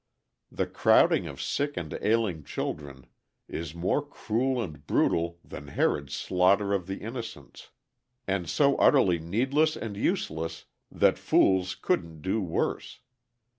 The crowding of sick and ailing children is more cruel and brutal than Herod's slaughter of the innocents, and so utterly needless and useless that fools couldn't do worse.